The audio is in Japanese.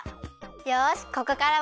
よしここからは。